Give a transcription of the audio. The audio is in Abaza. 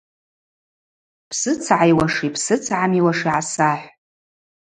Бсыцгӏайуаши бсыцгӏамиуаши гӏасахӏв.